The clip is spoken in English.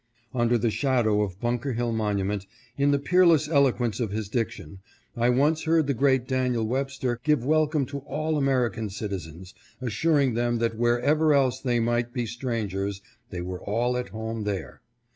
Under the shadow of Bunker Hill monument, in the peerless eloquence of his diction, I once heard the great Daniel "Webster give welcome to all American citizens, assuring them that wherever else they might be strangers, they were all at home there.